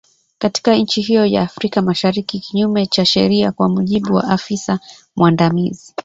katika nchi hiyo ya Afrika Mashariki kinyume cha sheria kwa mujibu wa afisa mwandamizi